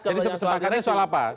jadi sepakatnya soal apa